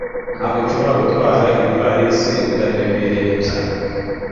Ntabwo nshobora gutwara iyivalisi Biraremereye cyane